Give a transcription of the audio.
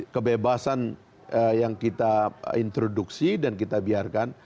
kebebasan yang kita introduksi dan kita biarkan